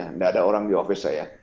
tidak ada orang di office saya